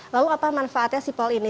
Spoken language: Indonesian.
lalu apa manfaatnya sipol ini